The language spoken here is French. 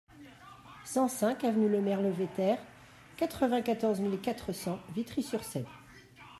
cent cinq avenue Lemerle Vetter, quatre-vingt-quatorze mille quatre cents Vitry-sur-Seine